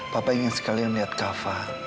papa ingin sekalian lihat kava